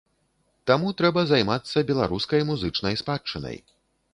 Таму трэба займацца беларускай музычнай спадчынай.